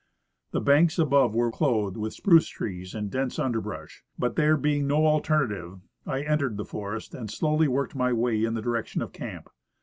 The banks above were clothed with spruce ti'ees and dense under brush ; but, there being no alternative, I entered the forest and slowly worked my way in the direction of camp.